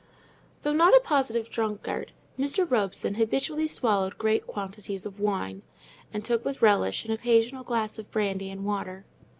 Though not a positive drunkard, Mr. Robson habitually swallowed great quantities of wine, and took with relish an occasional glass of brandy and water.